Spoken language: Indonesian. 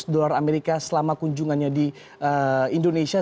lima ratus dolar amerika selama kunjungannya di indonesia